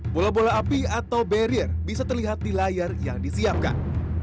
bola bola api atau barrier bisa terlihat di layar yang disiapkan